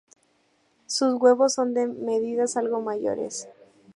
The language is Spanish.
Sus huevos son de medidas algo mayores.